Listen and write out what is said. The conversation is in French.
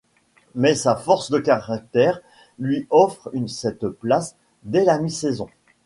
Mais sa force de caractère lui offre cette place dès la mi-saison.